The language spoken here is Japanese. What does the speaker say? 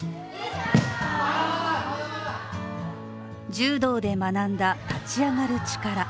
柔道で学んだ立ち上がる力。